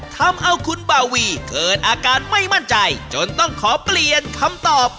ทำเอาคุณบาวีเกิดอาการไม่มั่นใจจนต้องขอเปลี่ยนคำตอบ